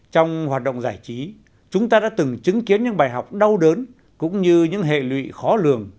trong hoạt động giải trí chúng ta đã từng chứng kiến những bài học đau đớn cũng như những hệ lụy khó lường